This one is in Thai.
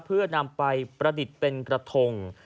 เพื่อนำไปประดิษฐ์เป็นกระทง